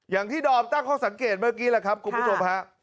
อย่างที่ดอมตั้งข้อสังเกตเมื่อกี้แหละครับคุณผู้ชมฮะ